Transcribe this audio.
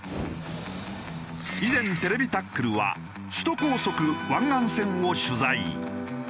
以前『ＴＶタックル』は首都高速湾岸線を取材。